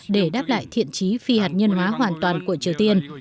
để đáp lại thiện trí phi hạt nhân hóa hoàn toàn của triều tiên